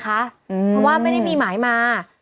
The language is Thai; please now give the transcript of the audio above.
เพราะว่าไม่ได้มีหมายมา